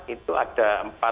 itu ada empat